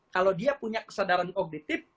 kalau dia punya kesadaran objektif